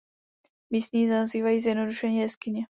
Místní ji nazývají zjednodušeně „jeskyně“.